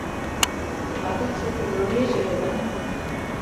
Латик сукыржо лиеш ыле гын